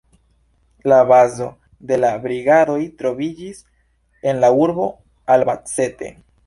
La bazo de la Brigadoj troviĝis en la urbo Albacete.